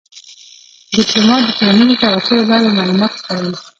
ډيپلومات د ټولنیزو شبکو له لارې معلومات خپروي.